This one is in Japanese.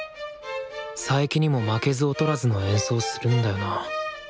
佐伯にも負けず劣らずの演奏するんだよな。